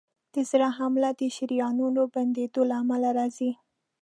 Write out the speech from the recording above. د زړه حمله د شریانونو بندېدو له امله راځي.